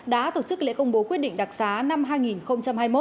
đã tổ chức lễ công bố quyết định đặc xá năm hai nghìn hai mươi một